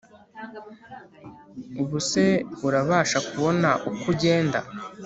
ubuse urabasha kubona uko ugenda